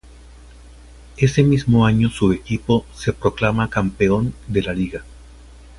Ese mismo año su equipo se proclama campeón de Liga.